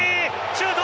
シュート！